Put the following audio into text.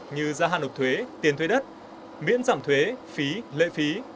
như gia hạn nộp thuế tiền thuế đất miễn giảm thuế phí lợi phí